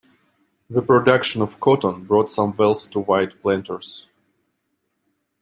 The production of cotton brought some wealth to white planters.